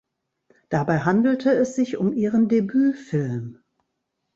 Dabei handelte es sich um ihren Debütfilm.